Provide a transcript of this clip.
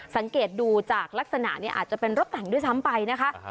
สังเกตดูจากลักษณะเนี่ยอาจจะเป็นรถแต่งด้วยซ้ำไปนะคะ